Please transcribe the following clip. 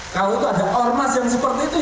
kalau itu ada ormas yang seperti itu